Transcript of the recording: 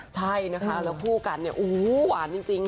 ใช่นะคะแล้วคู่กันอู๋หวานจริงค่ะ